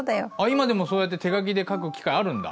今でもそうやって手書きで書く機会あるんだ。